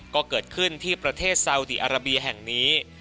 ก็เกิดขึ้นที่ประเทศซาวดีอาราเบียแห่งนี้